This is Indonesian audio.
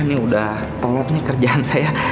ini udah telatnya kerjaan saya